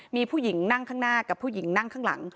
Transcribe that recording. มีผู้หญิงนั่งข้างหน้ากับผู้หญิงนั่งข้างหลัง